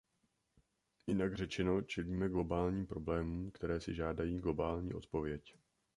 Jinak řečeno, čelíme globálním problémům, které si žádají globální odpověď.